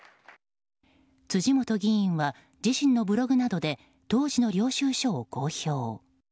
辻元議員は自身のブログなどで当時の領収書を公表。